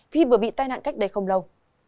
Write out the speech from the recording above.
vì vừa bị tai nạn cách đây không lâu